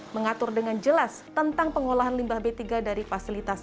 mengatur dengan jelas tentang pengolahan limbah b tiga dari fasilitas